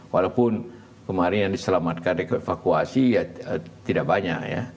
walaupun kemarin yang diselamatkan dari evakuasi tidak banyak ya